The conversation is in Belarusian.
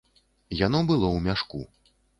Яно было ў мяшку.